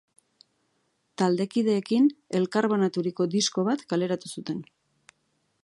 Taldeekin, elkarbanaturiko disko bat kaleratu zuten.